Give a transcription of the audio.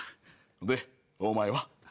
でお前は？